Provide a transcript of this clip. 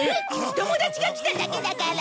友達が来ただけだから。